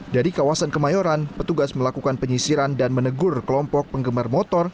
dari kawasan kemayoran petugas melakukan penyisiran dan menegur kelompok penggemar motor